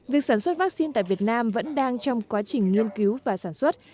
việc sản xuất vaccine tại việt nam vẫn đang trong quá trình nghiên cứu và sản xuất